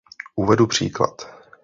Uvedu příklad.